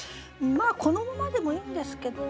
このままでもいいんですけど。